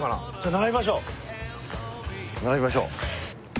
並びましょう。